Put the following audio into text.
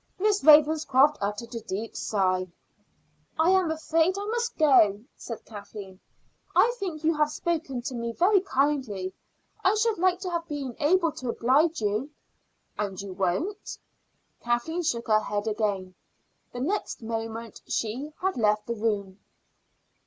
Miss Ravenscroft uttered a deep sigh. "I am afraid I must go," said Kathleen. "I think you have spoken to me very kindly; I should like to have been able to oblige you." "And you won't?" Kathleen shook her head again. The next moment she had left the room.